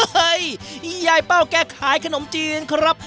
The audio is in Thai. ยายเป้าแกขายขนมจีนครับ